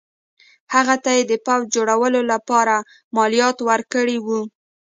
هغه ته یې د پوځ جوړولو لپاره مالیات ورکړي وو.